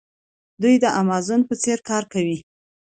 دوی د امازون په څیر کار کوي.